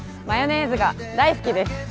マヨネーズが大好きです。